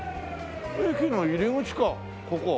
駅の入り口かここ。